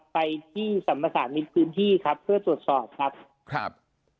ไปที่สรรพสามิทพื้นที่ครับเพื่อตรวจสอบครับ